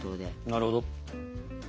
なるほど。